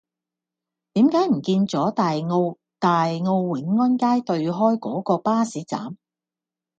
點解唔見左大澳大澳永安街對開嗰個巴士站